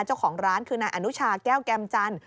เจ้าของร้านคือนายอนุชาแก้วแก่มจันท